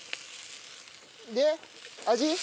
で味？